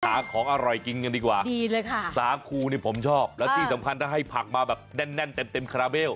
หาของอร่อยกินกันดีกว่าสาคูผมชอบและที่สำคัญถ้าให้ผักมาแบบแน่นเต็มคราเบล